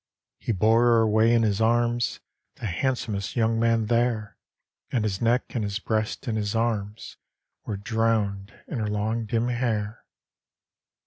He bore her away in his arms. The handsomest young man there, And his neck and his breast and his arms Were drowned in her long dim hair.